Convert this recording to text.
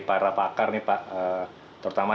para pakar nih pak terutama